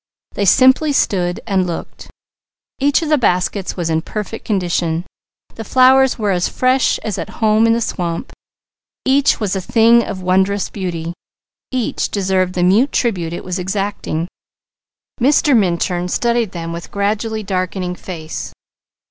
They simply stood and looked. Each of the baskets was in perfect condition. The flowers were as fresh as at home in the swamp. Each was a thing of wondrous beauty. Each deserved the mute tribute it was exacting. Mrs. Minturn studied them with gradually darkening face.